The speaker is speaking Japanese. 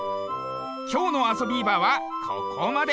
きょうの「あそビーバー」はここまで。